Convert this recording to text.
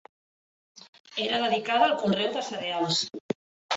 Era dedicada al conreu de cereals.